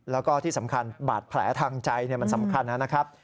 แล้วก็บาทแผลทางใจมันสำคัญนะครับ